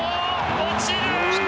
落ちる！